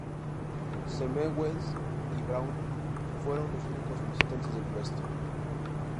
Semmelweis y Braun fueron los únicos solicitantes del puesto.